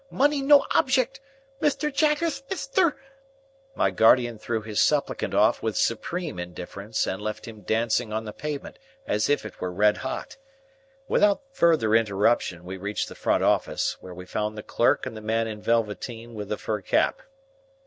—money no object!—Mithter Jaggerth—Mithter—!" My guardian threw his supplicant off with supreme indifference, and left him dancing on the pavement as if it were red hot. Without further interruption, we reached the front office, where we found the clerk and the man in velveteen with the fur cap.